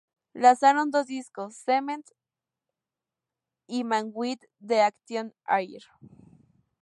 Lanzaron dos discos: "Cement" y "Man with the Action Hair".